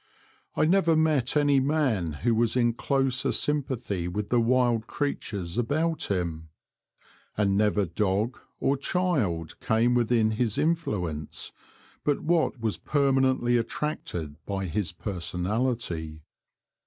I never met any man who was in closer sympathy with the wild creatures about him ; and never dog or child came within his influence but what was permanently attracted by his personality.